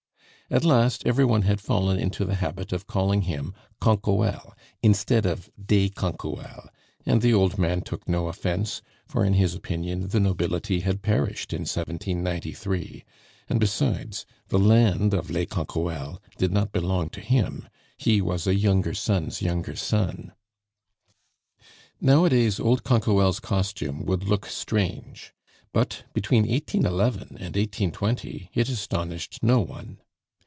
At last every one had fallen into the habit of calling him Canquoelle, instead of des Canquoelles, and the old man took no offence, for in his opinion the nobility had perished in 1793; and besides, the land of les Canquoelles did not belong to him; he was a younger son's younger son. Nowadays old Canquoelle's costume would look strange, but between 1811 and 1820 it astonished no one.